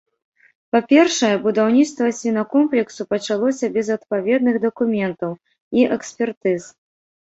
Па-першае, будаўніцтва свінакомплексу пачалося без адпаведных дакументаў і экспертыз.